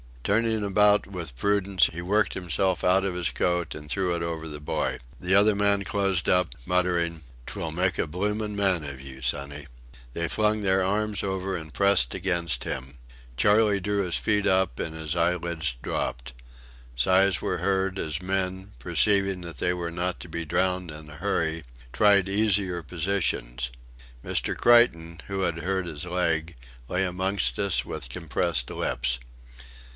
Turning about with prudence he worked himself out of his coat and threw it over the boy. The other man closed up, muttering: "'Twill make a bloomin' man of you, sonny." They flung their arms over and pressed against him. Charley drew his feet up and his eyelids dropped. Sighs were heard, as men, perceiving that they were not to be "drowned in a hurry," tried easier positions. Mr. Creighton, who had hurt his leg, lay amongst us with compressed lips.